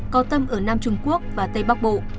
có tâm ở nam trung quốc và tây bắc bộ